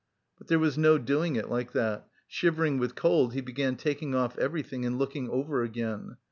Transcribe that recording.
But there was no doing it like that; shivering with cold, he began taking off everything and looking over again.